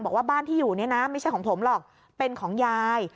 บอกว่าบ้านที่อยู่เนี่ยนะไม่ใช่ของผมหรอกเป็นของยาย